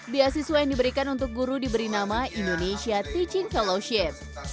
beasiswa yang diberikan untuk guru diberi nama indonesia teaching fellowship